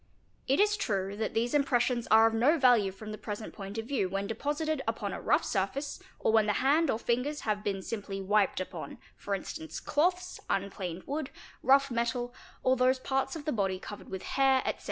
It is true that these impressions are of no value from the present point of view when deposited upon a rough surface or when the hand or fingers have been simply wiped upon for instance, cloths, un planed wood, rough metal, or those parts of the body covered with hair, etc.